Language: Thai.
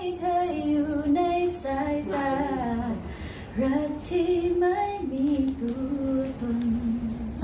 รักที่ไม่มีตัวตน